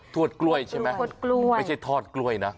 ทวดกล้วยใช่ไหมไม่ใช่ทอดกล้วยนะ